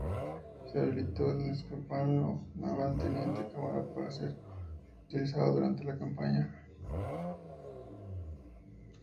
Se habilitó el Destacamento Naval Teniente Cámara para ser utilizado durante la campaña.